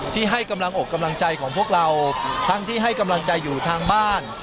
ที่ให้กำลังอกกำลังใจของพวกเราทั้งที่ให้กำลังใจอยู่ทางบ้าน